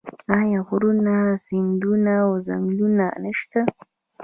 آیا غرونه سیندونه او ځنګلونه نشته؟